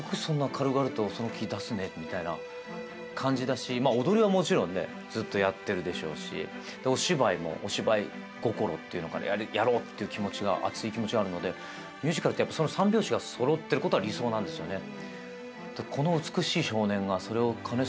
みたいな感じだし踊りはもちろんねずっとやってるでしょうしお芝居も、お芝居心っていうのかやろうって気持ちが熱い気持ちがあるのでミュージカルってやっぱりその三拍子がそろってることが理想なんですよね。